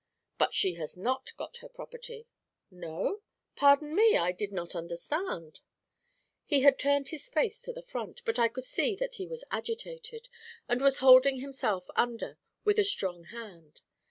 'But she has not got her property.' 'No? Pardon me, I did not understand.' He had turned his face to the front, but I could see that he was agitated, and was holding himself under with a strong hand.